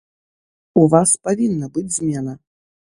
У вас павінна быць змена!